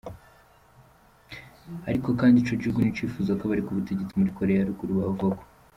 Ariko kandi ico gihugu nticipfuza ko abari ku butegetsi muri Korea ya ruguru babuvako.